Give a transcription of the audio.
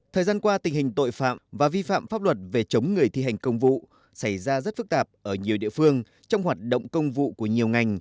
thời gian qua tình hình tội phạm và vi phạm pháp luật về chống người thi hành công vụ xảy ra rất phức tạp ở nhiều địa phương trong hoạt động công vụ của nhiều ngành